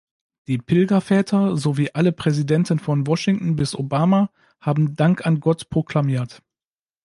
Die Pilgerväter sowie alle Präsidenten von Washington bis Obama haben Dank an Gott proklamiert.